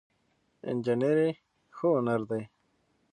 انجينري ښه هنر دی